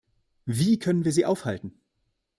Wie können wir sie aufhalten?